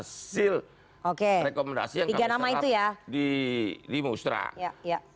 hasil rekomendasi yang kami tangkap di musrah